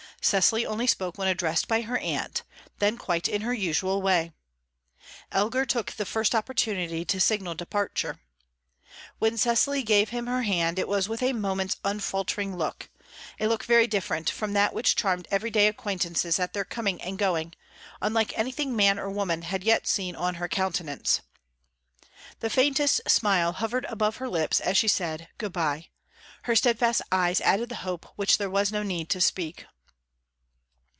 Cecily only spoke when addressed by her aunt; then quite in her usual way. Elgar took the first opportunity to signal departure. When Cecily gave him her hand, it was with a moment's unfaltering look a look very different from that which charmed everyday acquaintances at their coming and going, unlike anything man or woman had yet seen on her countenance. The faintest smile hovered about her lips as she said, "Good bye;" her steadfast eyes added the hope which there was no need to speak.